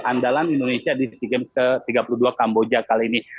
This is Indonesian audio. andalan indonesia di sea games ke tiga puluh dua kamboja kali ini